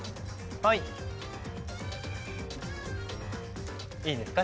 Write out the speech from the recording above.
はいいいですか？